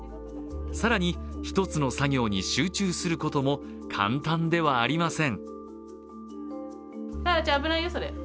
更に１つの作業に集中することも簡単ではありません。